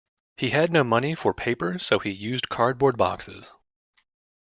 He had no money for paper so he used cardboard boxes.